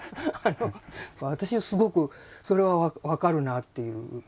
私はすごくそれは分かるなあっていう。